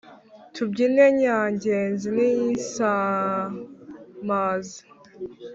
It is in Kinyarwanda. Tubyine Nyangezi n'Insamaza.